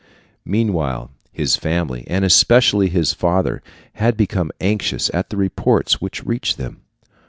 Meanwhile his family, and especially his father, had become anxious at the reports which reached them.